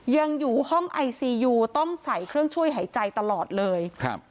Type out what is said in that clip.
ยังอยู่ห้องไอซียูต้องใส่เครื่องช่วยหายใจตลอดเลยครับ